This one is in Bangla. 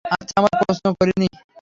আমরা প্রশ্ন করিনি।